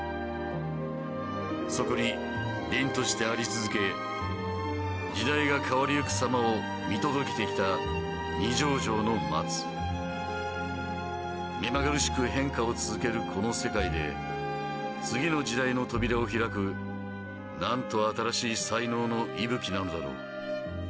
そこに凛としてあり続け時代が変わりゆく様を見届けてきた二条城の松目まぐるしく変化を続けるこの世界で次の時代の扉を開くなんと新しい才能の息吹なんだろう